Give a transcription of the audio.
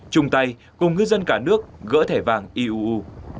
chung tay cùng ngư dân cả nước gỡ thẻ vàng iuu